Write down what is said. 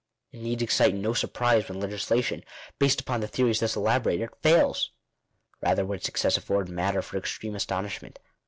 It needs ex cite no surprise when legislation, based upon the theories thus elaborated, fails. Rather would its success afford matter for extreme astonishment.